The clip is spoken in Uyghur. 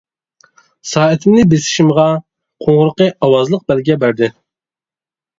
سائىتىمنى بېسىشىمغا قوڭغۇرىقى ئاۋازلىق بەلگە بەردى.